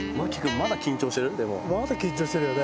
まだ緊張してるよね。